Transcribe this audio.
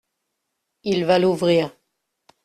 Il va l’ouvrir.